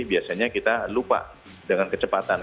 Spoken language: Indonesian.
biasanya kita lupa dengan kecepatan